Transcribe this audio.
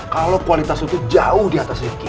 kalo kualitas lo tuh jauh diatas riffky